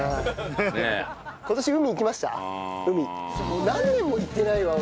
もう何年も行ってないわ俺。